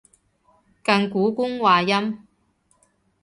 近古官話音